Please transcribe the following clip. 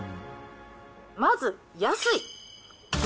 まず、安い。